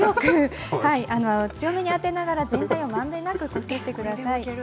強めに当てながら全体をまんべんなくなでてください。